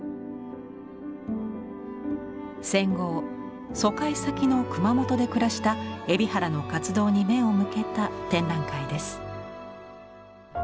戦後を疎開先の熊本で暮らした海老原の活動に目を向けた展覧会です。